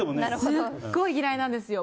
すっごい嫌いなんですよ。